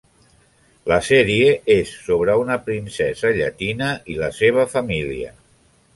La sèrie és sobre una princesa llatina i la seva família.